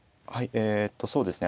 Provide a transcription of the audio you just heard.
えとそうですね